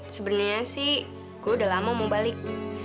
sebenarnya sih gue udah lama mau balik